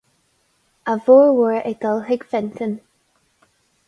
A bhformhór ag dul chuig Fintan.